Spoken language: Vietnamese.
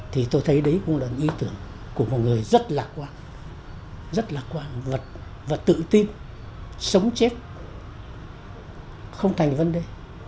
thì tôi thấy đấy cũng là ý tưởng của một người rất lạc quan rất lạc quan vật và tự tin sống chết không thành vấn đề